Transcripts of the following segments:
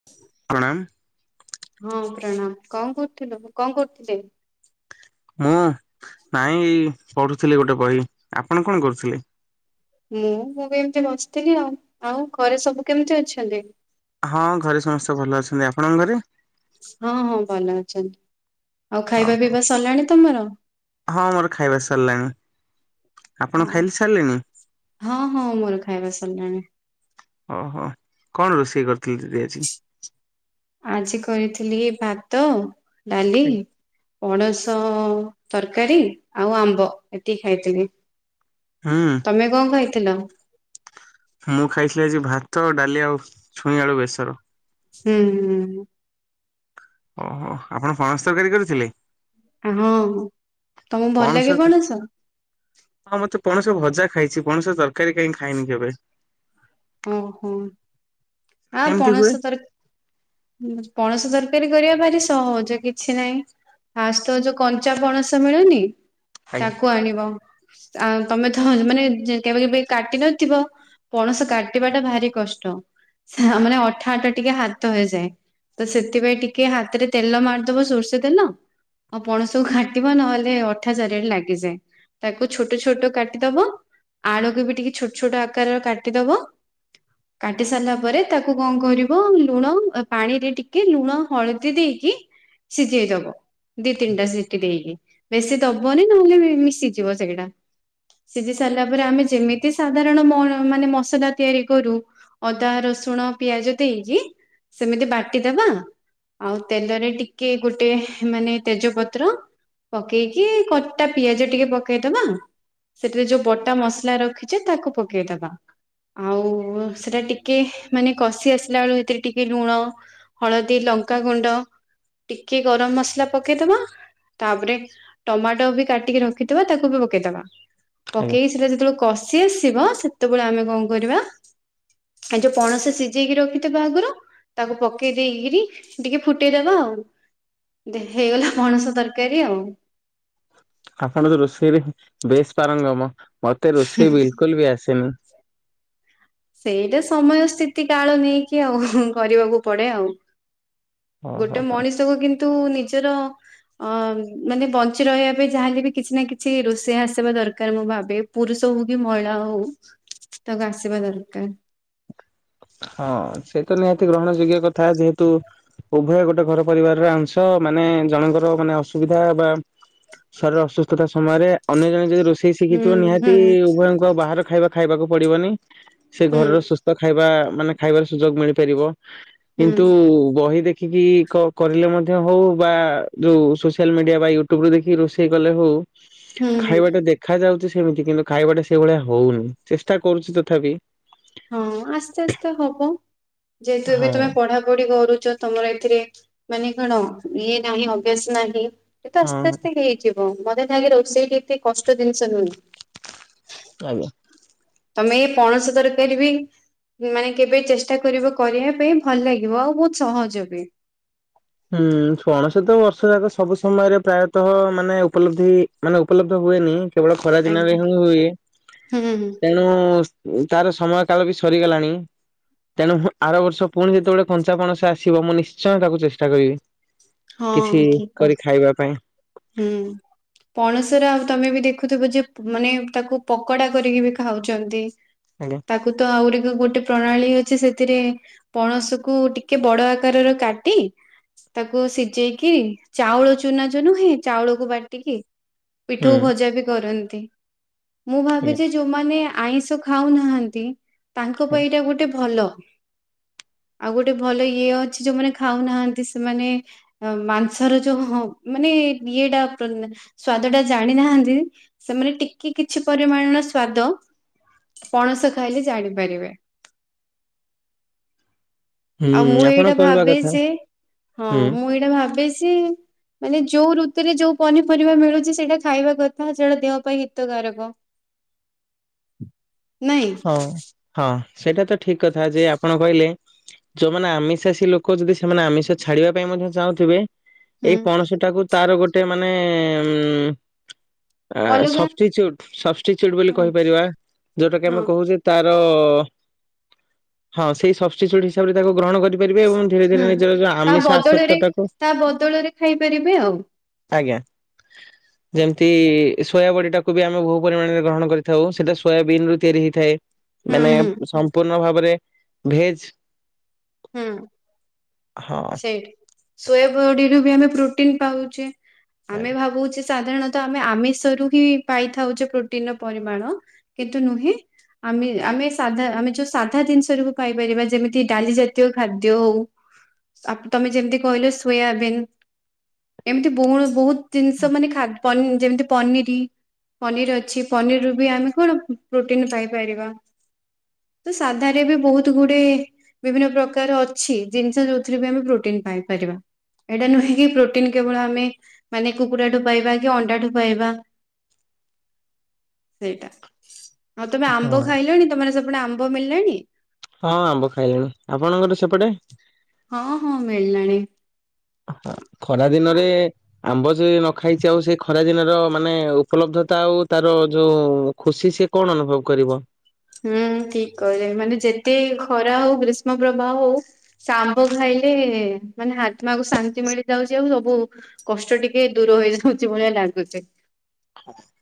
[unintelligible] ପ୍ରଣାମ! ହଁ ପ୍ରଣାମ କଣ କରୁଥିଲୁ ଏ କଣ କରୁଥିଲେ। ମୁଁ ନାଇଁ ପଢ଼ୁଥିଲି ଗୋଟେ ବହି ଆପଣ କଣ କରୁଥିଲେ। ମୁଁ ମୁଁ ବି ଏମତି ବସିଥିଲି ଆଉ ଆଉ ଘରେ ସବୁ କେମିତି ଅଛନ୍ତି। ହଁ ଘରେ ସମସ୍ତେ ଭଲ ଅଛନ୍ତି ଆପଣଙ୍କ ଘରେ। ହଁ ହଁ ଭଲ ଅଛନ୍ତି ଆଉ ଖାଇବା ଓହୋ। ପିଇବା ସରିଲାଣି ତମର। ହଁ ମୋର ଖାଇବା ସରିଲାଣି। ଆପଣ ହଁ ଖାଇଲି ସାରିଲେଣି? ହଁ ହଁ ମୋର ଖାଇବା ସରିଲାଣି। ଓହୋ କଣ ରୋଷେଇ କରିଥିଲି ଦିଦି ଆଜି। ଆଜି କରିଥିଲି ଭାତ ଡାଲି ପଣସ଼ ସ ତରକାରୀ ଆଉ ଆମ୍ବ ଏତିକି ଖାଇଥିଲି। ହୁଁ। ତମେ କଣ ଖାଇଥିଲ। ମୁଁ ଖାଇଥିଲି ଆଜି ଭାତ ଡାଲି ଆଉ ଛୁଇଁ ଆଳୁ ବେସର। ହୁଁ ହୁଁ। ଓହୋ ଆପଣ ପଣସ ତରକାରୀ କରିଥିଲେ। ହଁ ତମକୁ ଭଲ ଲାଗେ ପଣସ। ହଁ ମତେ ପଣସ ଭଜା ଖାଇଛି ପଣସ ତରକାରୀ କାହିଁ ଖାଇନି କେବେ। ଓହୋ ଆ କେମିତି ହୁଏ? ପଣସ ତର ପଣସ ତରକାରୀ କରିବା ପାଇଁ ଭାରି ସହଜ କିଛି ନାହିଁ। ଫାଷ୍ଟ ତ ଯୋଉ କଞ୍ଚା ପଣସ ମିଳୁନି ଆଜ୍ଞା ତାକୁ ଆଣିବ। ଆ ତମେ ଥହ ମାନେ କେବେ କେବେ କାଟି ନଥିବ ପଣସ କାଟି- କାଟିବା ଟା ଭାରି କଷ୍ଟ ମାନେ ଅଠା ଅଠା ଟିକେ ହାତ ହେଇଯାଏ। ତ ସେଥିପାଇଁ ଟିକେ ହାତରେ ତେଲ ମାରିଦବ ସୋରିଷ ତେଲ। ଆଉ ପଣକୁ କାଟିବ ନହେଲେ ଅଠା ଚାରିଆଡେ ଲାଗିଯାଏ। ତାକୁ ଛୋଟ ଛୋଟ କାଟିଦବ ଆଳୁକୁ ବି ଟିକେ ଛୋଟ ଛୋଟ ଆକାରରେ କାଟିଦବ। କାଟି ସାରିଲା ପରେ ତାକୁ କଣ କରିବ ଲୁଣ ପାଣିରେ ଟିକେ ଲୁଣ ହଳଦୀ ଦେଇକି। ସିଝେଇଦବ ଦି ତିନିଟା ସିଟିି ଦେଇକି। ବେଶୀ ଦବନି ନହେଲେ ମିଶିଯିବ ସେଇଟା। ସିଝି ସାରିଲା ପରେ ଆମେ ଯେମିତି ସାଧାରଣ ମ ମାନେ ମସଲା। ତିଆରି କରୁ ଅଦା ରସୁଣ ପିଆଜ ଦେଇକି ସେମିତି ବାଟିଦବା। ଆଉ ତେଲରେ ଟିକେ ଗୋଟେ ମାନେ ତେଜପତ୍ର। ପକେଇକି କଟା ପିଆଜ ଟିକେ ପକେଇଦବା। ସେଥିରେ ଯୋଉ ବଟା ମସଲା ରଖିଛେ ତାକୁ ପକେଇଦବା। ଆଉ ସେଟା ଟିକେ ମାନେ କଷି ଆସିଲା ବେଳକୁ ସେତିରେ ଟିକେ ଲୁଣ। ହଳଦୀ ଲଙ୍କାଗୁଣ୍ଡ ଟିକେ ଗରମ ମସଲା ପକେଇଦବ। ତାପରେ ଟମାଟୋ ବି କାଟିକି ରଖିଥିବା ତାକୁ ବି ପକେଇଦବା। ଆଜ୍ଞା ପକେଇ ସେଟା ଯେତେବେଳେ କଷି ଆସିବ ସେତେବେଳେ ଆମେ କଣ କରିବା। ଏ ଯୋଉ ପଣସ ସିଝେଇକି ରଖିଥିବା ଆଗରୁ। ତାକୁ ପକେଇ ଦେଇକରି ଟିକେ ଫୁଟେଇଦବା ଆଉ। ଦେ ହେଇଗଲା ପଣସ ତରକାରୀ ଆଉ। ଆପଣ ତ ରୋଷେଇରେ ବେଶ ପାରଙ୍ଗମ ମତେ ରୋଷେଇ ବିଲକୁଲ ବି ଆସେନି। ସେଇଟା ସମୟ ସ୍ଥିତି କାଳ ନେଇକି ଆଉ କରିବାକୁ ପଡେ ଆଉ। ଓହୋ ଗୋଟେ ମଣିଷକୁ କିନ୍ତୁ ନିଜର। ଅ ମାନେ ବଞ୍ଚି ରହିବା ପାଇଁ ଯାହାଲେ ବି କିଛି ନା କିଛି ରୋଷେଇ ଆସିବା ଦରକାର ମୁଁ ଭାବେ। ପୁରୁଷ ହଉ କି ମହିଳା ହଉ ତାକୁ ଆସିବା ଦରକାର। ହଁ ସେ ତ ନିହାତି ଗ୍ରହଣ ଯୋଗ୍ୟ କଥା ଯେହେତୁ। ଉଭୟ ଗୋଟେ ଘର ପରିବାରର ଅଂଶ ମାନେ ଜଣଙ୍କର ମାନେ ଅସୁବିଧା ବା- ଶରୀର ଅସୁସ୍ଥତା ସମୟରେ ଅନ୍ୟ ଜଣେ ଯଦି ରୋଷେଇ ହୁଁ ଶିଖିଥିବ ହୁଁ ନିହାତି ଉଭୟ ଆଉ ବାହାର ଖାଇବା ଖାଇବାକୁ ପଡିବନି ସେ ହୁଁ ଘରର ସୁ ଖାଇବା ମାନେ ଖାଇବାର ସୁଯୋଗ ମିଳିପାରିବ ହୁଁ କିନ୍ତୁ ବହି ଦେଖିକି। କ-କହିଲେ ମଧ୍ୟ ହଉ ବା ଯୋଉ ସୋସିଆଲ ମିଡିଆ ବା ୟୁଟ୍ୟୁବୁ ରୁ ଦେଖି ରୋଷେଇ କଲେ ହଉ। ହୁଁ ହୁଁ ଖାଇବାଟା ଦେଖା ଯାଉଛି ସେମିତି କିନ୍ତୁ ଖାଇବାଟା ସେଇଭଳିଆ ହଉନି ଚେଷ୍ଟା କରୁଛି ତଥାପି। ହଁ ଆସ୍ତେ ଆସ୍ତେ ହବ ଯେହେତୁ ଏବେ ହଁ ତମେ ପଢାପଢି କରୁଛ। ତମର ଏଥିରେ ମାନେ କଣ ଇଏ ନାହିଁ ଅଭ୍ୟାସ ନାହିଁ ଏ ତ ହଁ ଆସ୍ତେ ଆଜ୍ଞା। ଆସ୍ତେ ହେଇଯି ବ ମୋତେ ଲାଗେ ରୋଷେଇଟି ଏତେ କଷ୍ଟ ଜିନିଷ ନୁହେଁ। ଆଜ୍ଞା। ତମେ ଏ ପଣସ ତରକାରୀ ବି। ମାନେ କେବେ ଚେଷ୍ଟା କରିବ କରିବା ପାଇଁ ଭଲ ଲାଗିବ ଆଉ ବହୁତ ସହଜ ବି। ହୁଁ ପଣସ ତ ବର୍ଷ ଯାକ ସବୁ ସମୟରେ ପ୍ରାୟତଃ ମାନେ ଉପଲବ୍ଧି ମାନେ ଉପଲବ୍ଧ ହୁଏନି। କେବଳ ଖରା ଦିନରେ ଆଜ୍ଞା। ହିଁ ହୁଏ ହୁଁ ତେଣୁ। ତାର ସମୟ କାଳ ବି ସରିଗଲାଣି। ତେଣୁ ଆର ବର୍ଷ ପୁଣି ଯେତେବେଳେ କଞ୍ଚା ପଣସ ଆସିବ ମୁଁ ନିଶ୍ଚୟ ତାକୁ ଚେଷ୍ଟା କରିବି। ହଁ କିଛି ଠିକ କ କରି ଖାଇବା ପାଇଁ। ହୁଁ। ପଣସର ଆଉ ତମେ ବି ଦେଖୁଥିବ ଯେ ପ ମାନେ ତାକୁ ପକୋଡା କରିକି ବି ଖାଉଛନ୍ତି। ଆଜ୍ଞା। ତାକୁ ତ ଆହୁରି କ ଗୋଟେ ପ୍ରଣାଳୀ ଅଛି ସେଥିରେ। ପଣସ କୁ ଟିକେ ବଡ ଆକାରର କାଟି। ତାକୁ ସିଝେଇକି ଚାଉଳ ଚୁନା ଯୋଉ ନୂହେ ଚାଉଳକୁ ବାଟିକି ହୁଁ ପିଠଉ ଭଜା ବି କରନ୍ତି ମୁଁ ଆଜ୍ଞା ଭାବିଛି ଯୋଉମାନେ ଆଇଁଷ ଖାଉନାହାନ୍ତି ତାଙ୍କ ଆଜ୍ଞା ପାଇଁ ଏଇଟା ଗୋଟେ ଭଲ। ଆଉ ଗୋଟେ ଭଲ ଇଏ ଅଛି ଯୋଉମାନେ ଖାଉନାହାନ୍ତି ସେମାନେ। ଅ ମାଂସର ଯୋଉ ହଁ ମାନେ ଇଏଟା ପ ସ୍ଵାଦ ଟା ଜାଣିନାହାନ୍ତି। ସେମାନେ ଟିକେ କିଛି ପରିମାଣର ସ୍ଵାଦ। ପଣସ ଖାଇଲେ ଜାଣିପାରିବେ। ଆଉ ମୁଁ ହୁଁ ଆପଣ ଏଇଟା କହିବା ଭାବେ କଥା ଯେ ହଁ ହୁଁ ମୁଁ ଏଇଟା ଭାବେ ଯେ ମାନେ ଯୋଉ ଋ ତୁରେ ଯୋଉ ପନିପରିବା ମିଳୁଛି ସେଇଟା ଖାଇବା କଥା ସେଟା ଦେହ ପାଇଁ ହିତକାରକ। [inaudible] ହଁ ହଁ ସେଇଟା ତ ଠିକ କଥା ଯେ ଆପଣ କହିଲେ ଯୋଉମାନେ ଆମିଷାସି ଲୋକ ଥିବେ ସେମାନେ ଆମିଷ ଛାଡିବା ପାଇଁ ମଧ୍ୟ ଚାହୁଁଥିବେ। ଏଇ ହୁଁ ପଣସ ଟାକୁ ତାର ଗୋଟେ ମାନେ ଉଁ। ଆ ଅଲଗା ସପ୍ସିଚ୍ୟୁଟ ସପ୍ସିଚ୍ୟୁଟ ବୋଲି ହୁଁ କହିପାରିବା ଯୋଉଟା କି ଆମେ ହଁ ହଉ ସେ ତାର ହଁ ସେଇ ସପ୍ସିଚ୍ୟୁଟ ହିସାବ ରେ ତାକୁ ଗ୍ରହଣ କର ହେଇପାରିବେ ଏବଂ ଧୀରେ ଧୀରେ ହୁଁ ନିଜର ବି ତା ଆମିଷ ଆସକ୍ତ ବଦଳରେ ଟାକୁ। ତା ବଦଳରେ ଖାଇପାରିବେ ଆଉ ଆଜ୍ଞା। ହୁଁ ଯେମିତି ସୋୟାବଡ଼ି ଟାକୁ ବି ଆମେ ବହୁ ପରିମାଣରେ ଗ୍ରହଣ କରିଥାଉ। ସେଇଟା ସୋୟାବିିନ ରୁ ତିଆରି ହେଇ ଥାଏ ମାନେ ହୁଁ ସମ୍ପୂର୍ଣ୍ଣ ଭାବରେ ଭେଜ। ହୁଁ ହଁ ସେଇଠି। ସୋୟ ବଡିରୁୁ ବି ଆମେ ପ୍ରୋଟିନ ପାଉଛେ, ଆମେ ଭାବୁଛେ ସାଧାରଣ ତ ଆମେ ଆମିଷରୁ ହିଁ ପାଇଥାଉଛେ। ପ୍ରୋଟିନ ର ପରିମାଣ କିନ୍ତୁ ନୁହେଁ। ଆମେ ଆମେ ସାଧା ଆମେ ଯୋଉ ସାଧା ଜିନିଷ ରୁ ପାଇପାରିବା ଯେମିତି ଡାଲି ଜାତ ତିୟ ଖାଦ୍ୟ ହଉ ଆ ତମେ ଯେମିତି କହିଲ ସୋୟାବିନ୍। ଏମିତି ବହୁ ବହୁତ ଜିନିଷ ମାନେ ଖା ଜେମ୍ ଯେମିତି ପନିରି। ପନିର ଅଛି ପନିର ରୁ ବି ଆମେ କଣ ପ୍ରୋଟିନ ପାଇପାରିବା। ତ ସାଧାରେ ବି ବହୁତ ଗୁଡେ ବିଭିନ୍ନ ପ୍ରକା କାର ଅଛି ଜିନିଷ ଯୋଉଥିରେ ବି ଆମେ ପ୍ରୋଟିନ ପାଇପାରିବା। ଏଇଟା ନୁହେଁ କି ପ୍ରୋଟିନ କେବଳ ଆମେ ମାନେ କୁକୁଡ଼ାଠୁ ପାଇବା କି ଅଣ୍ଡା ଠୁ ପାଇବା। [inaudible] ସେଇଟା ହଉ ତମେ ଆମ୍ବ ହଁ। ଖାଇଲଣି ତମେ ସେପୁଟେ ଆମ୍ବ ମିଳିଲାଣି? ହଁ ଆମ୍ବ ଖାଇଲେଣି ଆପଣଙ୍କର ସେପଟେ? ହଁ ହଁ ମିଳିଲାଣି। ଖରା ଦିନରେ ଆମ୍ବ ଯି ନ ଖାଇଛି ଆଉ ସେଇ ଖରା ଦିନ ର ମାନେ ଉପଲବ୍ଧତା ଆଉ ତାର ଯଉ ଖୁସି ସି କଣ ଅନୁଭବ କରିବ। ହୁଁ ଠିକ କହିଲେ। ମାନେ ଯେତେ ଖରା ହଉ ଗ୍ରୀଷ୍ମ ପ୍ରବାହ ହଉ ଶ ଆମ୍ବ ଖାଇଲେ ମାନେ ଆତ୍ମାକୁ ଶାନ୍ତି ମିଳିଯାଉଛି ଆଉ ସବୁ କଷ୍ଟ ଟିକେ ଦୂର ହେଇଯାଉଛି ଭଳିଆ ଲାଗୁଛି। [inaudible]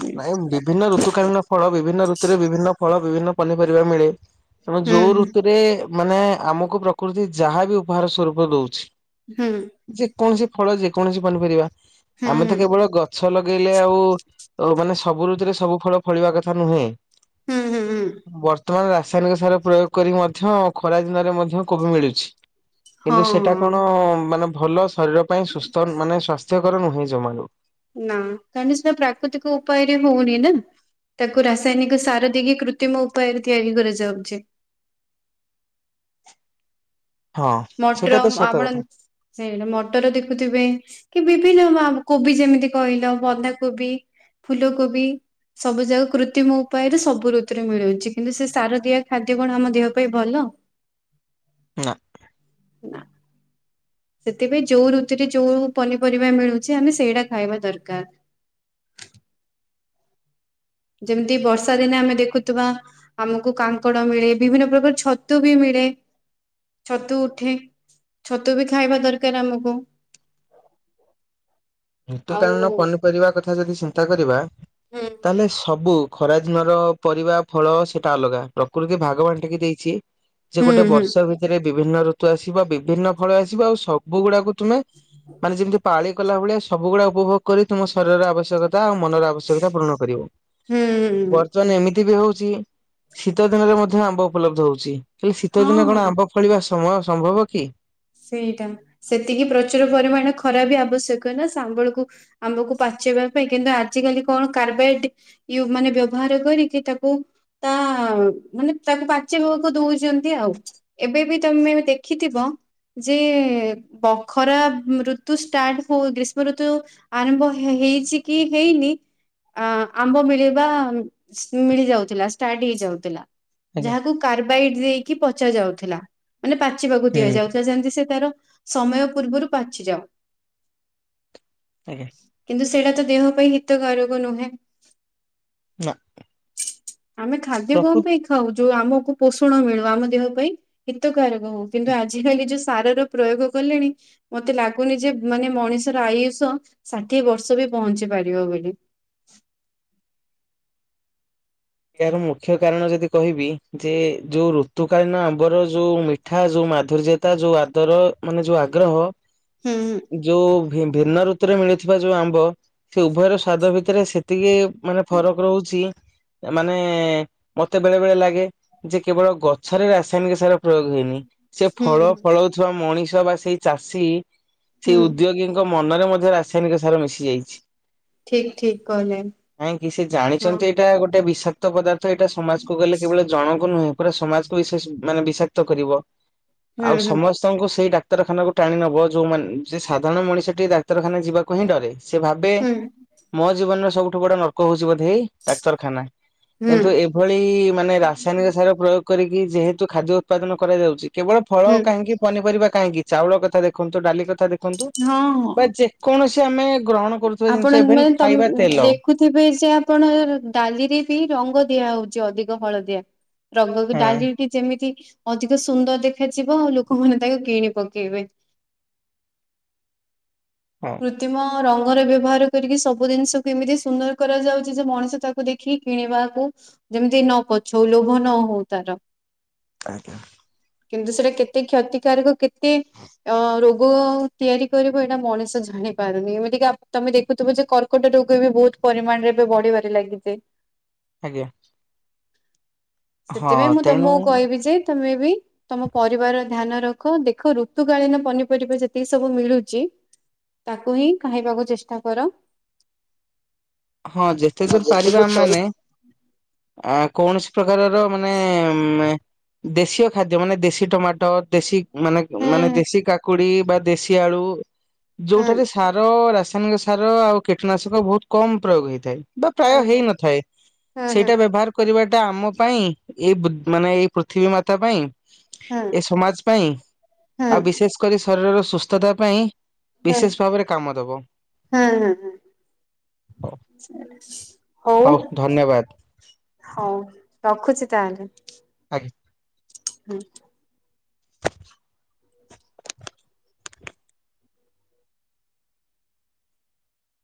ହୁଁ ନାଇଁ ବିଭିନ୍ନ ଋତୁକାଳୀନ ଫଳ ବିଭିନ୍ନ ଋତୁରେ ବିଭିନ୍ନ ଫଳ ବିଭିନ୍ନ ପନିପରିବା ମିଳେ। [inaudible] ଯୋଉ ହୁଁ ଋତୁରେ ମାନେ ଆମକୁ ପ୍ରକୃତି ଯାହା ବି ଉପହାର ସ୍ୱରୂପ ଦଉଛି। ହୁଁ। ଯେକୌଣସି ଫଳ ଯେକୌଣସି ପନିପରିବା ହୁଁ ଆମେ ତ କେବଳ ଗଛ ଲଗେଇଲେ ଆଉ। ତ ମାନେ ସବୁ ରଋତୁରେ ସବୁ ଫଳ ଫଳିବା କଥା ନୁହେଁ। ହୁଁ, ହୁଁ, ହୁଁ। ବର୍ତ୍ତମାନ ରାସାୟନିକ ସାର ପ୍ରୟୋଗ କରିିକି ମଧ୍ୟ ଖରା ଦିନରେ ମଧ୍ୟ କୋବି ମିଳୁଛି। କିନ୍ତୁ ହଁ ସେଟା ହଁ। କଣ ମାନେ ଭଲ ଶରୀର ପାଇଁ ସୁସ୍ଥ ମାନେ ସ୍ୱା ନୁହେଁ ଜମାରୁ। ନା, କାରଣ ସେ ପ୍ରାକୃତିକ ଉପାୟରେ ହଉନି ନା। ତାକୁ ରାସାୟନିକ ସାର ଦେଇକି କୃତ୍ରିମ ଉପାୟରେ ତିଆରି କରାଯାଉଛି। ହଁ ସେଇଟା ତ ମଟରମ୍ ସତ ଆପଣ କଥା ସେଇା ମଟର ଦେଖୁଥିବେ କି ବିଭିନ୍ନ କୋବି ଯେମିତି କହିଲ ବନ୍ଧାକୋବି ଫୁଲକୋବି ସବୁ ଯାକ କୃତ୍ରିମ ଉପାୟରେ ସବୁ ଋତୁରେ ମିଳୁଛି କିନ୍ତୁ ସେ ସାର ଦିଆ ଖାଦ୍ୟ କଣ ଆମ ଦେହ ପାଇଁ ଭଲ? ନା। ନା। ସେଥିପାଇଁ ଯୋଉ ଋତୁରେ ଯୋଉ ପନିପରିବା ମିଳୁଛି ଆମେ ସେଇଟା ଖାଇବା ଦରକାର। ଯେମିତି ବର୍ଷା ଦିନେ ଆମେ ଦେଖୁଥିବା ଆମକୁ କାଙ୍କଡ ମିଳେ ବିଭିନ୍ନ ପ୍ରକାର ଛତୁ ବି ମିଳେ ଛତୁ ଉଠେ ଛତୁ ବି ଖାଇବା ଦରକାର ଆମକୁ ଆଉ ଋତୁକାଳନ ପନିପରିବା କଥା ଯଦି ଚିନ୍ତା କରିବା ହୁଁ ତାହେଲେ ସବୁ ଖରାଦିନର ପରିବା ଫଳ ସେଟା ଅଲଗା ପ୍ରକୃତି ଭାଗବାନ ଟିକି ଦେଇଛି। ସେ ହୁଁ ଗୋଟେ ହୁଁ ବର୍ଷ ଭିତରେ ବିଭିନ୍ନ ଋତୁ ଆସିବ ବିଭିନ୍ନ ଫଳ ଆସିବ ଆଉ ସବୁ ଗୁଡାକୁ ତୁମେ ମାନେ ଯେମିତି ପାଳି ଗଲା ଭଳିଆ ସବୁ ଗୁଡା ଉପଭୋଗ କରି ତମ ଶରୀର ଆବଶ୍ୟକତା ଆଉ ମନର ଆବଶ୍ୟକତା ପୂରଣ କରିବ। ହୁଁ ହୁଁ ହୁଁ, ବର୍ତ୍ତମାନ ଏମିତି ବି ହଉଛି ଶୀତ ଦିନରେ ମଧ୍ୟ ଆମ୍ବ ଉପଲବ୍ଧ ହଉଛି। ହେହଲେ ଶୀତ ହଁ ଦିନ ହଁ କଣ ଆମ୍ବ ଫଳିବାୟ ସମ୍ଭବ କି? ସେଇଟା, ସେତିକି ପ୍ରଚୁର ପରିମାଣ ଖରା ବି ଆବଶ୍ୟକ ନା ସାଙ୍ଗଳକୁ ଆମ୍ବକୁ ପାଚେଇବା ପାଇଁ କିନ୍ତୁ ଆଜିିକାଲି କଣ କାର୍ବାଇଟ ୟୁବ ମାନେ ବ୍ୟବହାର କରିକି ତାକୁ ତା ମାନେ ତାକୁ ପାଚିବାକୁ ଦଉଛନ୍ତି ଆଉ। ଏବେ ବି ତମେ ଦେଖିଥିବ ଯେ ବଖରା ଋତୁ ଷ୍ଟାର୍ଟ ହଉ ଗ୍ରୀଷ୍ମ ଋତୁ ଆରମ୍ଭ ହେଇଛି କି ହେଇନି ଅ ଆମ୍ବ ମିଳିବା ମିଳିଯାଉଥିଲା ଷ୍ଟାର୍ଟ ହେଇଯାଉଥିଲା। ଆଜ୍ଞା ଯାହାକୁ କାର୍ବାଇଡ ଦେଇକି ପଚା ଯାଉଥିଲା ମାନେ ପାଚିବାକୁ ହୁଁ ଦିଆଯାଉଥିଲା। ଯେନ୍ତି ସେ ତାର ସମୟ ପୂର୍ବରୁ ପାଚିଯାଉ। ଆଜ୍ଞା। କିନ୍ତୁ ସେଇଟା ତ ଦେହ ପାଇଁ ହିତକାରକ ନୁହେଁ। ନା। ଆମେ ଖାଦ୍ୟ ପ୍ରକୃତି କଣ ପାଇଁ ଖାଉ ଯୋଉ ଆମକୁ ପୋଷଣ ମିଳୁ ଆମ ଦେହ ପାଇଁ ହିତକାରକ ହଉ କିନ୍ତୁ ଆଜ କାଲି ଯୋଉ ସାରର ପ୍ରୟୋଗ କଲେଣି। ମତେ ଲାଗୁନି ଯେ ମାନେ ମଣିଷର ଆୟୁଷ ଷାଠିଏ ବର୍ଷ ବି ପହଞ୍ଚି ପାରିବ ବୋଲି। ଏହାର ମୁଖ୍ୟ କାରଣ ଯଦି କହିବି ଯେ ଯୋଉ ଋତୁକାଳୀନ ଆମ୍ବର ଯୋଉ ମି ଠା ଯୋଉ ମାଧୁର୍ଯ୍ୟତା ଯୋଉ ଆଦର ମାନେ ଯୋଉ ଆଗ୍ରହ। ହୁଁ ଯୋଉ ଭିନ୍ନ ଋତୁରେ ମିଳିଥିବା ଯୋଉ ଆମ୍ବ। ସେ ଉଭୟର ସ୍ଵାଦ ଭିତରେ ସେତିକି ମାନେ ଫରକ ରହୁଛି। ମାନେ ମତେ ବେଳେ ବେଳେ ଲାଗେ ଯେ କେବଳ ଗଛ ରେ ରାସାୟନିକ ସାର ପ୍ରୟୋଗ ହେଇନି ସେ ଫଳ ହୁଁ ଫଳ ଥିବା ମଣିଷ ବା ସେଇ ଚାଷୀ ସେଇ ହୁଁ ଉଦ୍ୟୋଗୀ ଙ୍କ ମନରେ ମଧ୍ୟ ରାସାୟନିକ ସାର ମିଶି ଯାଇଛି। ଠିକ ଠିକ କହିଲେ କାହିଁ କିି ସେ ହଁ। ଜାଣିଛନ୍ତି ଏଇଟା ଗୋଟେ ଏଇଟା ବିଷାକ୍ତ ପଦାର୍ଥ ଏଇଟା ସମାଜକୁ ଗଲେ କେବଳ ଜଣକୁ ନୁହେଁ ପୁରା ସମାଜକୁ ବିସେଷ ମାନେ ବିଷାକ୍ତ କରିବ। ହୁଁ ଆଉ ହୁଁ ସମସ୍ତଙ୍କୁ ସେଇ ଡାକ୍ତରଖାନାକୁ ଟାଣି ନବ ଯୋଉମାନେ ସେ ସାଧାରଣ ମଣିଷ ଟିକ ଡାକ୍ତରଖାନା ଯିବା କୁହି ଡରେ ସେ ଭାବେ ହୁଁ ମୋ ଜୀବନରେ ସବୁଠୁ ବଡ ନର୍କ ହଉଛି ବୋଧେ ଏ ଡାକ୍ତରଖାନା। ହୁଁ କିନ୍ତୁ ଏଭଳି ମାନେ ରାସାୟନିକ ସାର ପ୍ରୟୋଗ କରିକି ଯେହେତୁ ଖାଦ୍ୟ ଉତ୍ପାଦନ କରାଯାଉଛି କେବଳ ଫଳ ହୁଁ କାହିଁକି ପନିପରିବା କାହିଁକି ଚାଉଳ କଥା ଦେଖନ୍ତୁ ଡାଲି କଥା ଦେଖନ୍ତୁ ହଁ ହଁ। ବା ଯେ କୌଣସି ଆମେ ଗ୍ରହଣ କରୁଥିବା ଆପଣ ଜିନିଷ ମାନେ ଇଭେନ୍ ତମ ଖାଇବା ତେଲ। ଦେଖୁଥିବେ ଯେ ଆପଣ ଡାଲିରେ ବି ରଙ୍ଗ ଦିଆ ହଉଛି ଅଧିକ ହଳଦିଆ। ରଙ୍ଗକୁ ହଁ ଡାଲିଟି ଯେମିତି ଅଧିକ ସୁନ୍ଦର ଦେଖାଯିବ ଆଉ ଲୋକମାନେ ତାକୁ କିଣି ପକେଇବେ। ହଁ କୃ୍ତିମ ରଙ୍ଗରେ ବ୍ୟବହାର କରିକି ସବୁ ଜିନିଷକୁ କେମିତି ସୁନ୍ଦର କରାଯାଉଛି ଯେ ମଣିଷ ତାକୁ ଦେଖି କିଣିବାକୁ ଯେମିତି ନ ପଛଉ ଲୋଭ ନ ହଉ ତାର। ଆଜ୍ଞା। କିନ୍ତୁ ସେଟା କେତେ କ୍ଷତିକାରକ କେତେ ଅ ରୋଗ ତିଆରି କରିବ ଏଇଟା ମଣିଷ ଜା ଜାଣିପାରୁନି ଏମିତି କି ତମେ ଦେଖୁଥିବ ଯେ କର୍କଟ ରୋଗ ଏ ବି ବହୁତ ପରିମାଣରେ ଏବେ ବଢିବାରେ ଲାଗିଛି। ଆଜ୍ଞା। ସେଥିପାଇଁ ହଁ ମୁଁ ତେଣୁ ତମକୁ କହିବି ଯେ ତମେ ବି ତମ ପରିବାର ଧ୍ୟାନ ରଖ ଦେଖ ଋତୁକାଳୀନ ପନିପରିବା ଯେତିକି ସବୁ ମିଳୁଛି। ତାକୁ ହିଁ ଖାଇବାକୁ ଚେଷ୍ଟା କର। ହଁ ଯେତେ ହଁ ଦୂର ପାରିବା ଯେତେଦୂର ଆମ ସରୁ ମାନେ ଆ କୌଣସି ପ୍ରକାରର ମାନେ ମେ ଦେଶୀୟ ଖାଦ୍ୟ ମାନେ ଦେଶୀ ଟମାଟୋ ଦେଶୀ ମାନେ ମାନେ ହୁଁ ଦେଶୀ କାକୁଡି ବା ଦେଶୀ ଆଳୁ। ହୁଁ ଯେଉଠାରେ ସାର ରାସାୟନିକ ସାର ଆଉ କୀଟନାଶକ ବହୁତ କମ୍ ପ୍ରୟୋଗ ହେଇଥାଏ। ବା ପ୍ରାୟ ହୁଁ ହେଇନଥାଏ ହୁଁ ହୁଁ ସେଇଟା ବ୍ୟବହାର କରିବାଟା ଆମ ପାଇଁ ଏବ୍ ମାନେ ଏଇ ପୃଥିବୀ ମାତା ପାଇଁ ହୁଁ ଏ ସମାଜ ପାଇଁ ହୁଁ ଆଉ ବିଶେଷ କରି ଶରୀରର ସୁସ୍ଥତା ପାଇଁ ବିଶେଷ ଭାବରେ କାମ ଦବ। ହଁ ହ ହଉ ହଉ। ହଉ ରଖୁଛି ତାହେଲେ। ଆଜ୍ଞା। [inaudible]